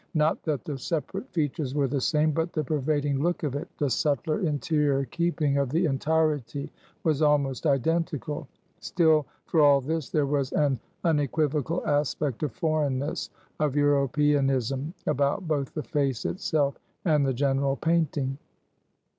Not that the separate features were the same; but the pervading look of it, the subtler interior keeping of the entirety, was almost identical; still, for all this, there was an unequivocal aspect of foreignness, of Europeanism, about both the face itself and the general painting.